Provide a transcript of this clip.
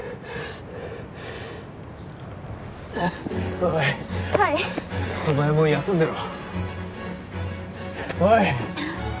おいはいお前もういい休んでろおい！